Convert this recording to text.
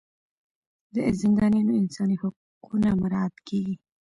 د زندانیانو انساني حقونه مراعات کیږي.